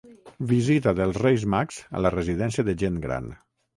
Visita dels Reis Mags a la Residència de Gent Gran.